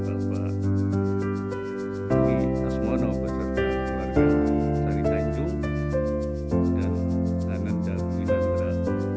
dan tentang berhadipan kita telah dikendalikan banyak